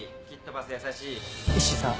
イッシーさん